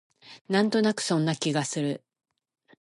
なんとなくそんな気がする